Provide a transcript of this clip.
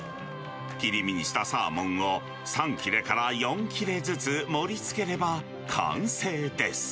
切り身にしたサーモンを３切れから４切れずつ盛りつければ完成です。